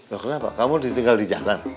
loh kenapa kamu ditinggal di jalan